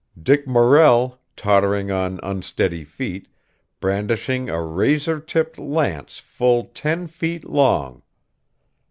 Dick Morrell, tottering on unsteady feet, brandishing a razor tipped lance full ten feet long.